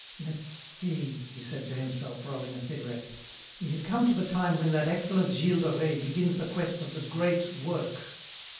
"Let's see," he said to himself, rolling a cigarette, "we had come to the time when that excellent Gilles de Rais begins the quest of the 'great work.'